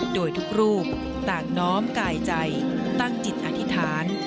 โดยทุกรูปต่างน้อมกายใจตั้งจิตอธิษฐาน